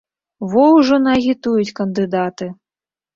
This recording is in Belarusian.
Во ўжо наагітуюць кандыдаты!